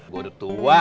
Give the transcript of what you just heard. gue udah tua